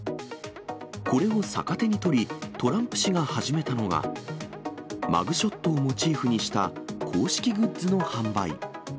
これを逆手に取り、トランプ氏が始めたのが、マグショットをモチーフにした公式グッズの販売。